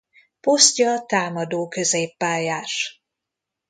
Posztja támadó középpályás.